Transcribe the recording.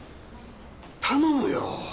頼むよ。